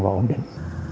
và ổn định